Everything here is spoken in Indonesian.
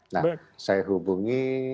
nah saya hubungi